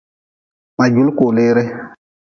Ma juli koleere.